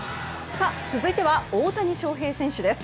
さあ、続いては大谷翔平選手です。